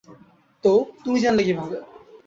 তো তুমি জানলে কীভাবে?